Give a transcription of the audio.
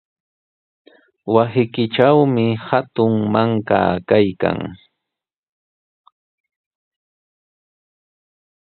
Wasiykitrawmi hatun mankaa kaykan.